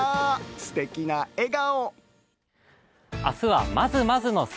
すてきな笑顔！